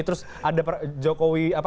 terus ada jokowi